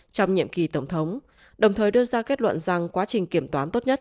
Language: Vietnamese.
trong nhiệm kỳ tổng thống đồng thời đưa ra kết luận rằng quá trình kiểm toán tốt nhất